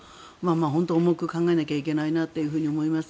本当に重く考えなきゃいけないなと思います。